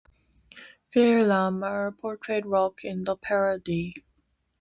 Phil Lamarr portrayed Rock in the parody.